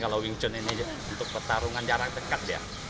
kalau wing chun ini untuk pertarungan jarak dekat